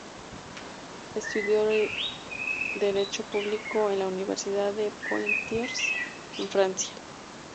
Estudió derecho público en la Universidad de Poitiers en Francia.